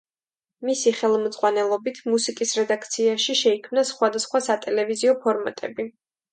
მისი ხელმძღვანელობით მუსიკის რედაქციაში შეიქმნა სხვადასხვა სატელევიზიო ფორმატები.